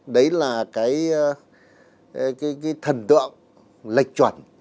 đấy là cái thần tượng lệch chuẩn